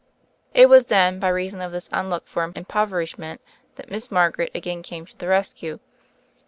It was then, by reason of this unlooked for impoverishment, that Miss Margaret again came to the rescue.